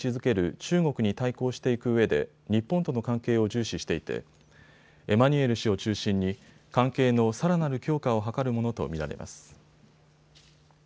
中国に対抗していくうえで日本との関係を重視していてエマニュエル氏を中心に関係のさらなる強化を図るものと見られます。